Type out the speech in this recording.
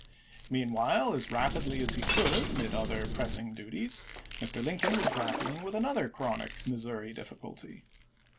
Meanwhile, as rapidly as he could amid other press ing duties, Mr. Lincoln was grappling with another chronic Missouri difficulty.